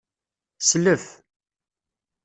Slef.